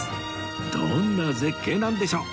どんな絶景なんでしょう？